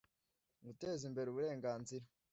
Guteza imbere uburenganzira